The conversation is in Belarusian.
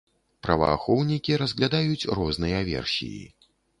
Праваахоўнікі разглядаюць розныя версіі.